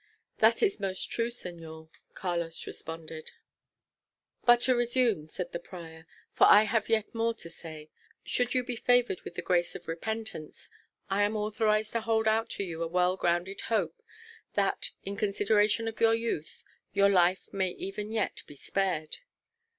"That is most true, señor," Carlos responded. "But to resume," said the prior; "for I have yet more to say. Should you be favoured with the grace of repentance, I am authorized to hold out to you a well grounded hope, that, in consideration of your youth, your life may even yet be spared."